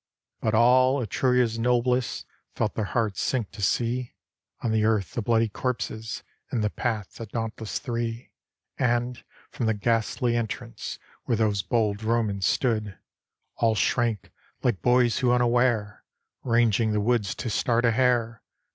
But all Etruria's noblest Felt their hearts sink to see On the earth the bloody corpses, In the path the dauntless Three: And, from the ghastly entrance Where those bold Romans stood, All shrank, like boys who unaware. Ranging the woods to start a hare.